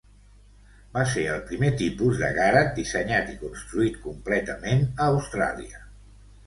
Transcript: Va ser el primer tipus de Garatt dissenyat i construït completament a Austràlia.